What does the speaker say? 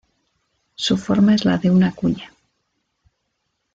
Su forma es la de una cuña.